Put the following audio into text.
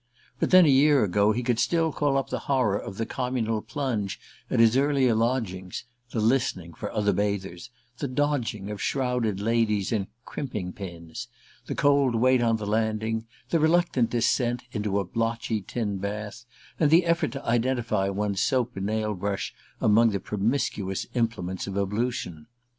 But then a year ago he could still call up the horror of the communal plunge at his earlier lodgings: the listening for other bathers, the dodging of shrouded ladies in "crimping" pins, the cold wait on the landing, the reluctant descent into a blotchy tin bath, and the effort to identify one's soap and nail brush among the promiscuous implements of ablution.